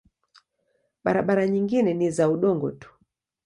Barabara nyingine ni za udongo tu.